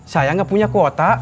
saya tidak punya kuota